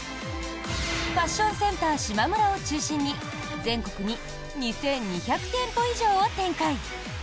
ファッションセンターしまむらを中心に全国に２２００店舗以上を展開。